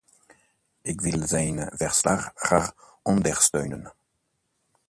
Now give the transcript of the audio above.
Ik wil zijn verslag graag ondersteunen.